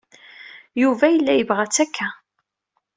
Yuba yella yebɣa-tt akka.